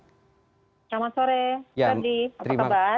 selamat sore ferdi apa kabar